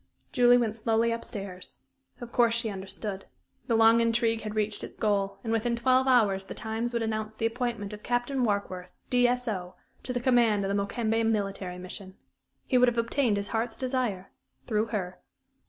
Julie went slowly up stairs. Of course she understood. The long intrigue had reached its goal, and within twelve hours the Times would announce the appointment of Captain Warkworth, D.S.O., to the command of the Mokembe military mission. He would have obtained his heart's desire through her.